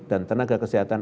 dan tenaga kesehatan